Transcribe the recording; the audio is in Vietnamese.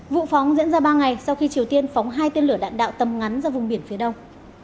vụ phóng diễn ra ba ngày sau khi triều tiên phóng hai tên lửa đạn đạo tầm ngắn ra vùng biển phía đông